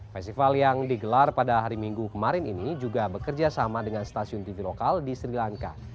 festival yang digelar pada hari minggu kemarin ini juga bekerja sama dengan stasiun tv lokal di sri lanka